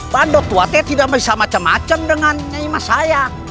pandu tua ini tidak bisa macam macam dengan nyima saya